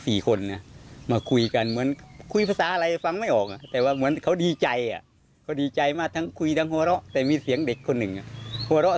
เสียงของผู้หญิงที่น่าจะถูกเสียชีวิตแล้วก็จมน้ำ